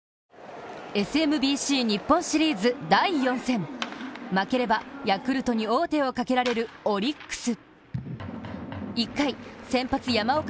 ＳＭＢＣ日本シリーズ第４戦、負ければヤクルトに王手をかけられるオリックス。